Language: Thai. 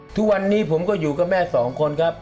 ทุกวันนี้ผมก็อยู่กับแม่สองคนครับ